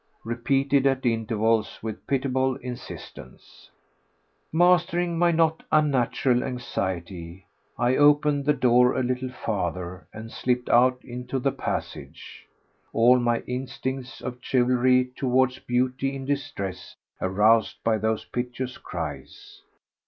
repeated at intervals with pitiable insistence. Mastering my not unnatural anxiety, I opened the door a little farther and slipped out into the passage, all my instincts of chivalry towards beauty in distress aroused by those piteous cries.